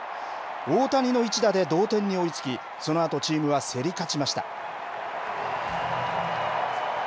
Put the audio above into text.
大谷の一打で同点に追いつき、そのあとチームは競り勝ちました。